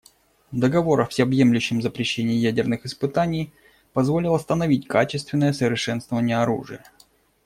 Договор о всеобъемлющем запрещении ядерных испытаний позволил остановить качественное совершенствование оружия.